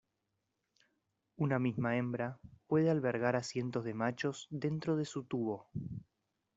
Una misma hembra puede albergar a cientos de machos dentro de su tubo.